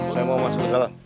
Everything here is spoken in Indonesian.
saya mau masuk ke jalan